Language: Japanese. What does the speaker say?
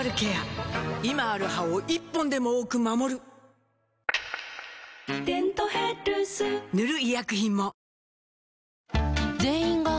今ある歯を１本でも多く守る「デントヘルス」塗る医薬品も